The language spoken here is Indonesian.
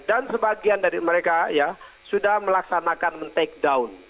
dan sebagian dari mereka ya sudah melaksanakan take down